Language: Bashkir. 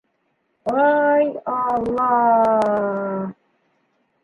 Ай алла!